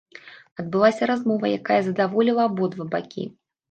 Адбылася размова, якая задаволіла абодва бакі.